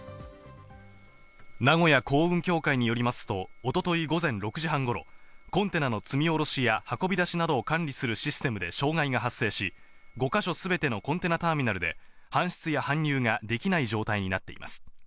名古屋港運協会によりますと、おととい午前６時半ごろ、コンテナの積みおろしや運び出しなどを管理するシステムで障害が発生し、５か所全てのコンテナターミナルで搬出や搬入ができない状態になっています。